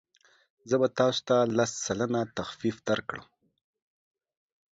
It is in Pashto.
زه به تاسو ته لس سلنه تخفیف درکړم.